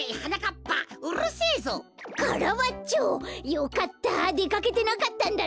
よかったでかけてなかったんだね。